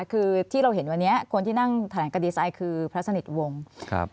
คือที่เราเห็นวันนี้คนที่นั่งแถลงคดีไซน์คือพระสนิทวงศ์ครับ